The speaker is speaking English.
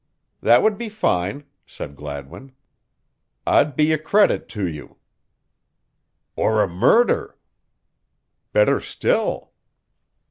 "That would be fine," said Gladwin. "I'd be a credit to you." "Or a murder?" "Better still."